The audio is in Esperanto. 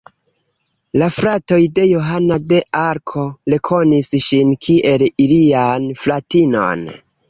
La fratoj de Johana de Arko rekonis ŝin kiel ilian fratinon.